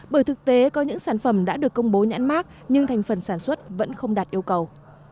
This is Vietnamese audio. bởi thực tế có những sản phẩm đã được công bố nhãn mát nhưng thành phần sản xuất vẫn không đạt yêu cầu